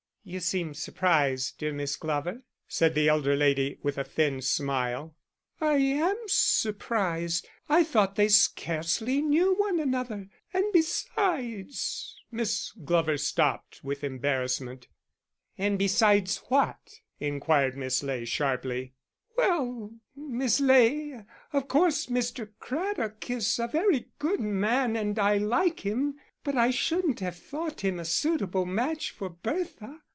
"You seem surprised, dear Miss Glover," said the elder lady, with a thin smile. "I am surprised. I thought they scarcely knew one another; and besides " Miss Glover stopped, with embarrassment. "And besides what?" inquired Miss Ley, sharply. "Well, Miss Ley, of course Mr. Craddock is a very good young man and I like him, but I shouldn't have thought him a suitable match for Bertha."